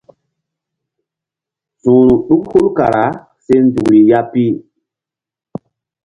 Su̧hru ɗuk hul kara se nzukri ya pi.